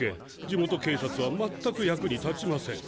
地元警察は全く役に立ちません。